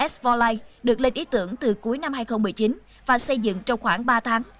s bốn line được lên ý tưởng từ cuối năm hai nghìn một mươi chín và xây dựng trong khoảng ba tháng